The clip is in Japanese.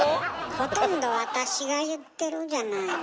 ほとんど私が言ってるじゃないの。